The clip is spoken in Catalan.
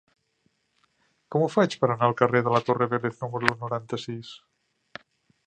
Com ho faig per anar al carrer de la Torre Vélez número noranta-sis?